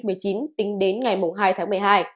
covid một mươi chín tính đến ngày hai tháng một mươi hai